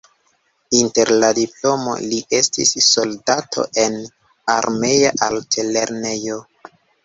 Inter la diplomoj li estis soldato en armea altlernejo.